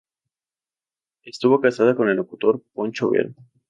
Estuvo casada con el locutor Poncho Vera.